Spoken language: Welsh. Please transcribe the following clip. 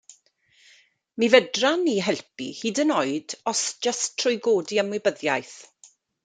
Mi fedran ni helpu hyd yn oed os jyst trwy godi ymwybyddiaeth.